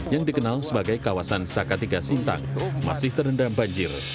yang dikenal sebagai kawasan saka tiga sintang masih terendam banjir